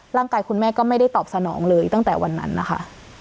ร่างกายคุณแม่ก็ไม่ได้ตอบสนองเลยตั้งแต่วันนั้นนะคะ